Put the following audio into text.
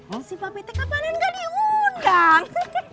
eh si pak pt kapanan gak diundang